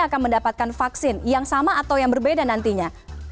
akan mendapatkan vaksin yang sama atau yang berbeda nantinya